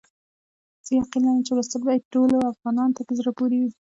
زه یقین لرم چې لوستل به یې ټولو افغانانو ته په زړه پوري وي.